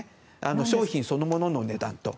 商品そのものの値段と。